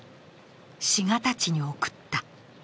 志賀たちに送った。